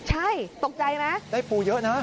ใช่ตกใจไหมได้ปูเยอะนะ